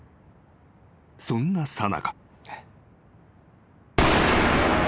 ［そんなさなか］